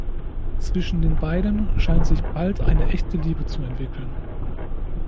Zwischen den beiden scheint sich bald eine echte Liebe zu entwickeln.